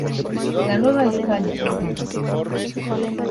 La Nueva España.